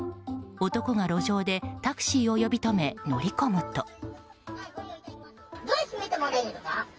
男が路上でタクシーを呼び止め乗り込むと。